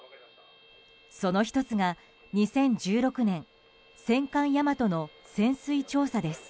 その１つが２０１６年戦艦「大和」の潜水調査です。